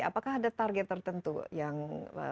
apakah ada target tertentu yang bisa diperoleh